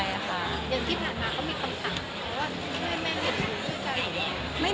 อย่างที่ผ่านมาก็มีคำถามเพราะว่าเพื่อนแม่งอยู่ด้วยใจอยู่ไหม